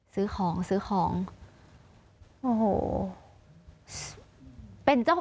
ซื้อของซื้อของ